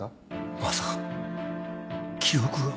まさか記憶が。